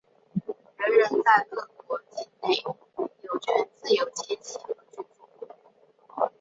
人人在各国境内有权自由迁徙和居住。